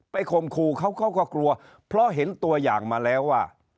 ไปคมครูเขาก็กลัวเพราะเห็นตัวอย่างมาแล้วว่า